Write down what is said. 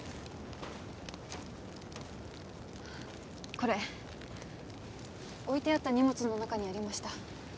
これ置いてあった荷物の中にありました